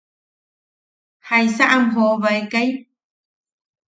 ¿Jaisa am joobaekai?